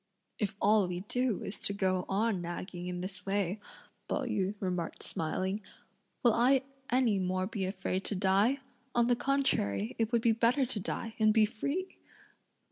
"If all we do is to go on nagging in this way," Pao yü remarked smiling, "will I any more be afraid to die? on the contrary, it would be better to die, and be free!"